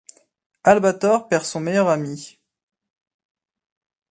Albator perd son meilleur ami.